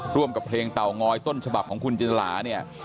ร่วมกับเพลงเต่างอยต้นฉบับของคุณจริจร้า